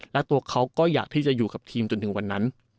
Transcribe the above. และตัวเขาก็อยากที่จะอยู่กับทีมจนถึงวันนั้น